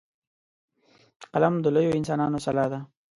قلم د لویو انسانانو سلاح ده